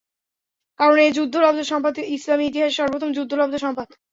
কারণ এ যুদ্ধলব্ধ সম্পদ ইসলামী ইতিহাসে সর্বপ্রথম যুদ্ধলব্ধ সম্পদ।